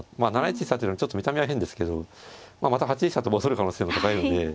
７一飛車というのはちょっと見た目は変ですけどまた８一飛車と戻る可能性も高いので。